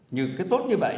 như cái tốt như vậy